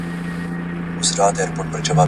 لويي زامې، لویه خېټه پنډ ورنونه ,